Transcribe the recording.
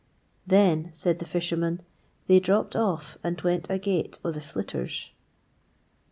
'Then,' said the fisherman, 'they dropped off and went agate o' the flitters.'